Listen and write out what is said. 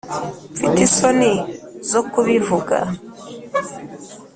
mfite isoni zo kubivuga